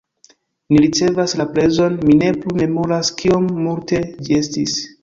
Ni ricevas la prezon, mi ne plu memoras kiom multe ĝi estis